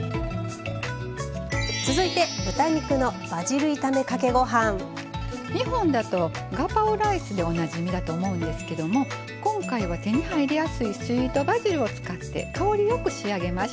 続いて日本だとガパオライスでおなじみだと思うんですけども今回は手に入りやすいスイートバジルを使って香りよく仕上げました。